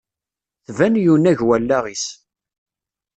Tban yunnag wallaɣ-is.